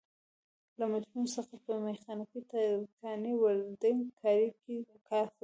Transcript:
له مترونو څخه په میخانیکي، ترکاڼۍ، ولډنګ کارۍ کې کار اخیستل کېږي.